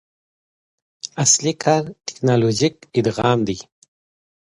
اصلي کار ټکنالوژیک ادغام دی.